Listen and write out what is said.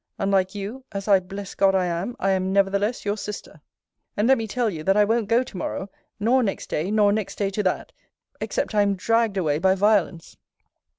Unlike you, as I bless God I am, I am nevertheless your sister and let me tell you, that I won't go to morrow, nor next day, nor next day to that except I am dragged away by violence.